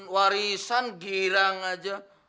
warisan girang aja